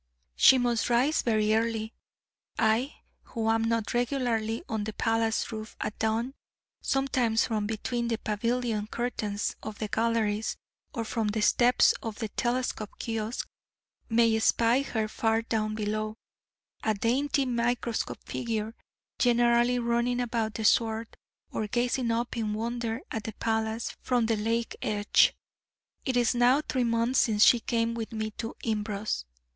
She must rise very early. I who am now regularly on the palace roof at dawn, sometimes from between the pavilion curtains of the galleries, or from the steps of the telescope kiosk, may spy her far down below, a dainty microscopic figure, generally running about the sward, or gazing up in wonder at the palace from the lake edge. It is now three months since she came with me to Imbros.